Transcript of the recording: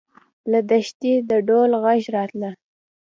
له دښتې د ډول غږ راته.